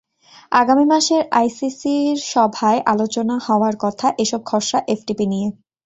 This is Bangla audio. আগামী মাসের আইসিসির সভায় আলোচনা হওয়ার কথা এসব খসড়া এফটিপি নিয়ে।